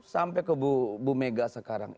sampai ke bumega sekarang